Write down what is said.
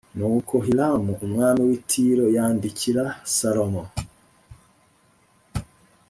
Nuko Hiramu umwami w i Tiro yandikira Salomo